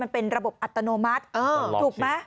มันเป็นระบบอัตโนมัติถูกไหม